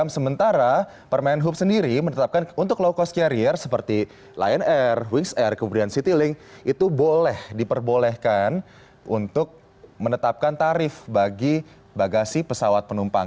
sementara permen hub sendiri menetapkan untuk low cost carrier seperti lion air wings air kemudian citylink itu boleh diperbolehkan untuk menetapkan tarif bagi bagasi pesawat penumpang